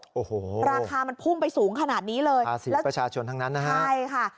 ราคามันพุ่งไปสูงขนาดนี้เลยสีประชาชนทั้งนั้นนะครับ